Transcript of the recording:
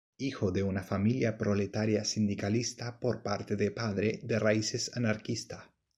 Hijo de una familia proletaria sindicalista por parte de padre, de raíces anarquista.